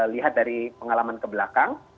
lihat dari pengalaman ke belakang